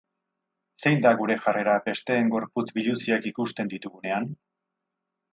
Zein da gure jarrera besteen gorputz biluziak ikusten ditugunean?